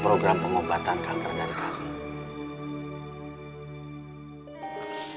program pengobatan kanker dari kami